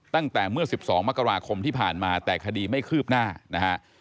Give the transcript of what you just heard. ตั้งแต่เมื่อ๑๒มกราคมที่ผ่านมาแต่คดีไม่คืบหน้านะฮะ